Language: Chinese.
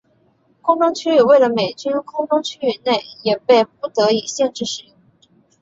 空中区域为了美军空中区域内也被不得已限制使用。